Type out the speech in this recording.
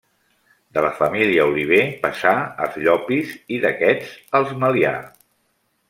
De la família Oliver passà als Llopis i d'aquests als Melià.